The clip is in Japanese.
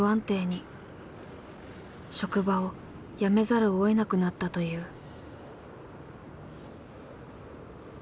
職場を辞めざるをえなくなったという。